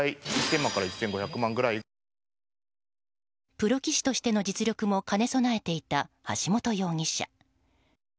プロ棋士としての実力も兼ね備えていた橋本容疑者。